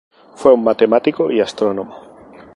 Fue un matemático y astrónomo.